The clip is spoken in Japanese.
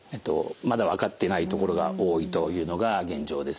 まだ分かってないところが多いというのが現状です。